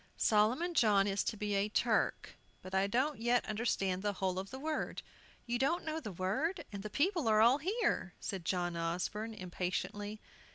Solomon John is to be a Turk, but I don't yet understand the whole of the word." "You don't know the word, and the people are all here!" said John Osborne, impatiently.